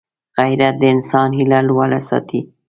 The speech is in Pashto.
غیرت د انسان هیله لوړه ساتي